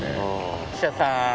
記者さん